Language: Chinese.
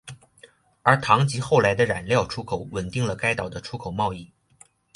而糖及后来的染料出口稳定了该岛的出口贸易。